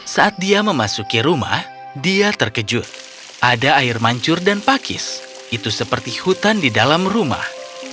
saat dia memasuki rumah dia terkejut ada air mancur dan pakis itu seperti hutan di dalam rumah